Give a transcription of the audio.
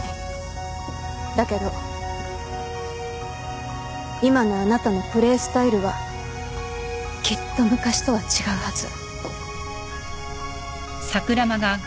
だけど今のあなたのプレースタイルはきっと昔とは違うはず。